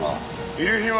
遺留品は？